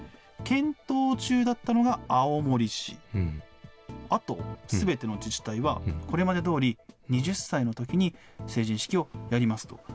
検討中だったのが青森市、あとすべての自治体は、これまでどおり、２０歳のときに成人式をやりますと。